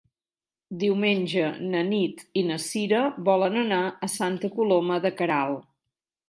Diumenge na Nit i na Cira volen anar a Santa Coloma de Queralt.